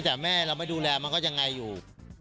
แต่แม่เราไม่ดูแลมันก็ยังไงอยู่